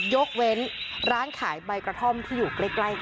ยกเว้นร้านขายใบกระท่อมที่อยู่ใกล้กัน